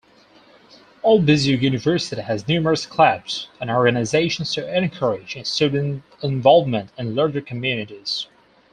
Albizu University has numerous clubs and organizations to encourage student involvement in larger communities.